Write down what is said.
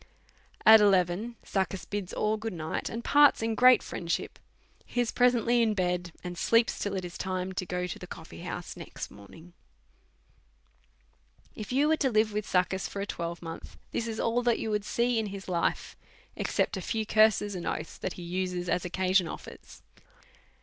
At eleven, Succus bids all good night, and parts in great friendship. He is presently in bed, and sleeps till it is time to go to the coffee house next morning. If you was to live with Succus for a twelvemonth, this is all that you w^ould see in his life, except a few curses and oaths that he uses as occasion offers.